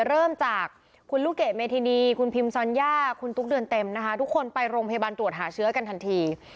เริ่มจากคุณลูกเกดเมธินีคุณพิมซอนยาคุณตุ๊กเดือนเต็มนะคะทุกคนไปโรงพยาบาลตรวจหาเชื้อกันทันที